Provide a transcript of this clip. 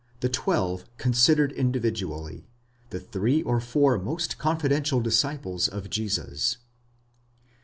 THE TWELVE CONSIDERED INDIVIDUALLY. THE THREE OR FOUR MOST CONFIDENTIAL DISCIPLES OF JESUS.